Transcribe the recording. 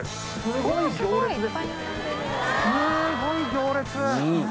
すごい行列！